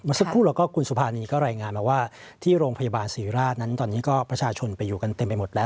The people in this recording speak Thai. สักครู่แล้วก็คุณสุภานีก็รายงานมาว่าที่โรงพยาบาลศรีราชนั้นตอนนี้ก็ประชาชนไปอยู่กันเต็มไปหมดแล้ว